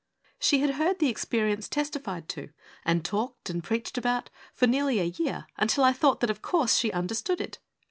She had heard the experience testified to, and talked and preached about, for nearly a year, until I thought that, of course, she understood it.